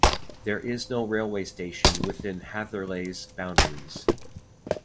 There is no railway station within Hatherleigh's boundaries.